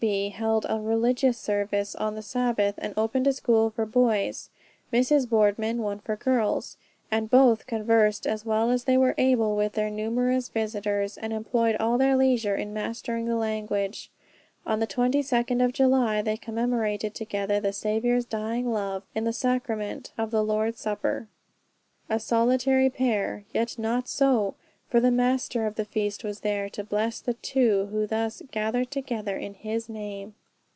B. held a religious service on the Sabbath, and opened a school for boys: Mrs. Boardman, one for girls, and both conversed as well as they were able with their numerous visitors, and employed all their leisure in mastering the language. On the 22d of July they commemorated together the Saviour's dying love, in the sacrament of the Lord's supper, a solitary pair yet not so, for the Master of the feast was there to bless the "two" who thus "gathered together in his name."